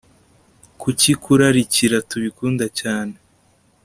kuki kurarikira, tubikunda cyane